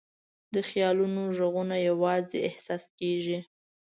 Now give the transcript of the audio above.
د خیالونو ږغونه یواځې احساس کېږي.